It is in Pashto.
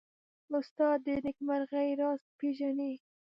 استاد د نېکمرغۍ راز پېژني.